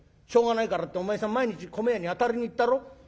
しょうがないからってお前さん毎日米屋にあたりに行ったろ。